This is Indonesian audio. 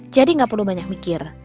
jadi gak perlu banyak mikir